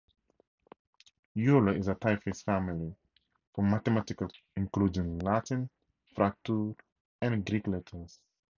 Euler is a typeface family for mathematical composition including Latin, fraktur and Greek letters.